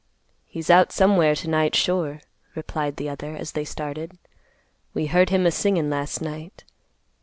"He's out somewhere to night, sure," replied the other, as they started. "We heard him a singin' last night."